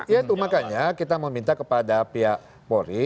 ya itu makanya kita meminta kepada pihak polri